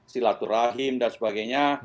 silaturahim dan sebagainya